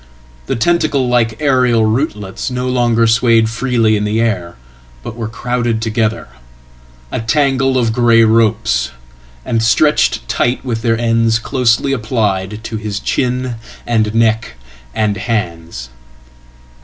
Thetentacle like aerial rootlets no longer swayed freely in the air, but werecrowded together, a tangle of grey ropes, and stretched tight, with theirends closely applied to his chin and neck and hands.